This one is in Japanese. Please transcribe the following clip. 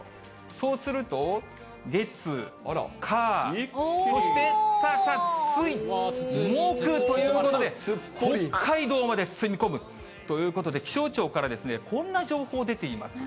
そうすると、月、火、水、木ということで、北海道まで包み込むということで、気象庁からこんな情報出ています。